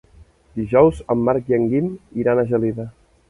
Dijous en Marc i en Guim iran a Gelida.